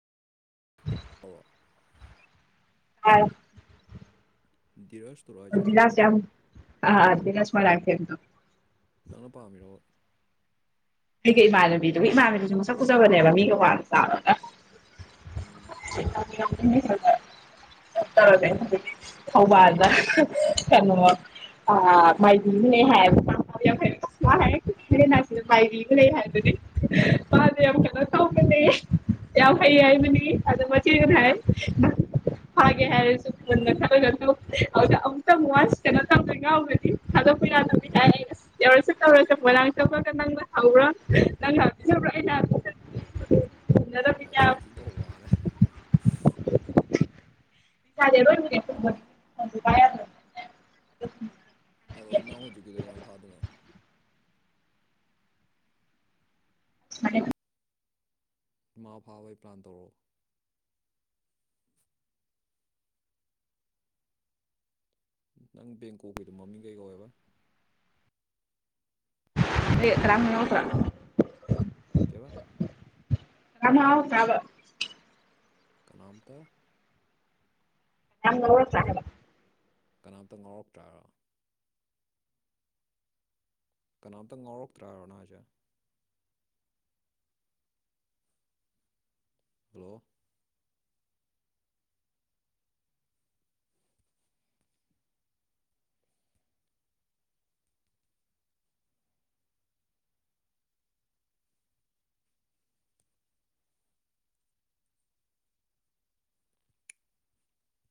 ꯑ ꯎ ꯔꯁ ꯂꯥꯁ ꯌꯥꯝꯝ ꯍꯥ ꯂꯁ ꯃꯥ ꯂꯀꯦꯗꯣ ꯅꯪꯅ ꯄꯥꯝꯃꯤꯔꯣ ꯑꯩꯒ ꯏꯃꯥꯟꯅꯕꯤꯗꯨꯒꯤ ꯏꯃꯥꯟꯅꯕꯤꯗꯨꯁꯨ ꯃꯁꯛ ꯎꯖꯕꯅꯦꯕ ꯃꯤꯒ ꯋꯥꯅ ꯎꯝ ꯆ ꯍꯥꯎꯕꯗ ꯀꯔꯅꯃ ꯑ ꯃꯥꯏꯗꯤ ꯍ ꯍꯥꯏꯦ ꯐ ꯍꯥꯏꯦ ꯍ ꯃꯥꯏꯗꯤ ꯂꯩ ꯍꯥꯏꯗꯨꯅꯦ ꯃꯥꯁ ꯌꯥꯝ ꯀꯟꯅ ꯇꯧꯒꯅꯦ ꯌꯥꯎ ꯍꯩ ꯍꯥꯏꯕ ꯑꯗ ꯃ ꯊ ꯀꯥꯏ ꯍꯥꯏꯦ ꯍꯥꯏꯁꯨ ꯉꯒꯛꯇ ꯃ ꯋꯥꯁ ꯇꯅꯒꯒꯗꯤ ꯊꯗꯣ ꯐꯅ ꯌꯥꯧꯁꯨ ꯆꯧꯔ ꯆ ꯐ ꯆꯧ ꯀ ꯅꯪ ꯍꯕ꯭ꯔꯣ ꯅꯪ ꯍꯥꯕ꯭ꯔꯣꯩꯅ ꯁꯨꯝ ꯑꯊꯤ ꯊꯤ ꯇꯧꯕ ꯋꯥꯔꯦ ꯁꯗꯦ ꯂꯣꯏꯅꯦꯦ ꯀꯥꯏ ꯎ ꯑꯗꯣ ꯅꯪ ꯍꯧꯖꯤꯛꯀꯤꯗꯣ ꯀꯃꯥꯏꯅ ꯐꯥꯗꯣꯏꯅꯣ ꯃ ꯏꯃꯥ ꯐꯥꯕꯒꯤ ꯄ꯭ꯂꯥꯟ ꯇꯧꯔꯛꯑꯣ ꯅꯪ ꯕꯦꯡꯀꯣꯛꯀꯤꯗꯣ ꯃꯃꯤꯡ ꯀꯩ ꯀꯧꯋꯦꯕ ꯇꯔꯃꯅꯠꯇ꯭ꯔ ꯀꯌꯥ ꯑꯃꯥꯎ ꯇꯕ ꯀꯅꯥꯝꯇꯥ ꯌꯥꯝꯅ ꯆ ꯍꯥꯏ ꯀꯅꯥꯝꯇ ꯉꯥꯎꯔꯛꯇ꯭ꯔꯔꯥ ꯀꯅꯥꯝꯇ ꯉꯥꯎꯔꯛꯇ꯭ꯔꯕꯣ ꯅ ꯍꯥꯏꯁꯦ ꯍꯜꯂꯣ